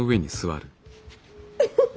フフフフ。